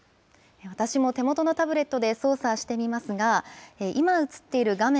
私も手元のタブレットで操作してみますが、今、映っている画面